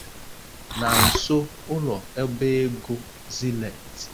na nso ụlọ ọba ego Zenith